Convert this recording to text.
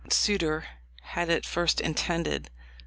suitor had at first intended.